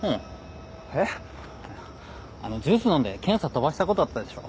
あのジュース飲んで検査飛ばしたことあったでしょ。